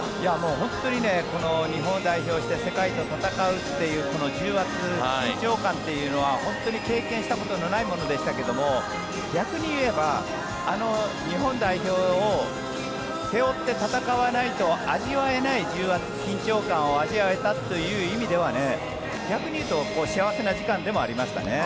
本当にこの日本代表として世界と戦うというこの重圧緊張感というのは本当に経験したことのないものでしたけど逆に言えば、あの日本代表を背負って戦わないと味わえない重圧、緊張感を味わえたという意味では逆に言うと幸せな時間でもありましたね。